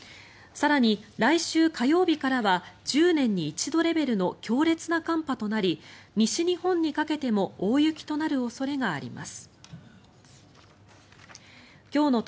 更に来週火曜日からは１０年に一度レベルの強烈な寒波となり西日本にかけても大雪となる恐れがあります。